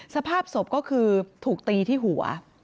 สภาพศพก็คือถูกตีที่หัว